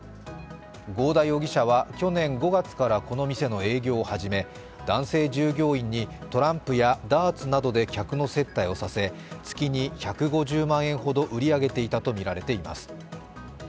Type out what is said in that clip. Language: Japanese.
郷田容疑者は去年５月からこの店の営業を始め男性従業員にトランプやダーツなどで客の接待をさせ、月に１５０万円ほど売り上げていたとみられています。